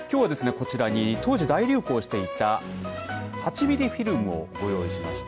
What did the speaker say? こちらに当時、大流行していた８ミリフィルムをご用意しました。